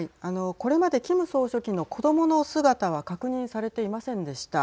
これまでキム総書記の子どもの姿は確認されていませんでした。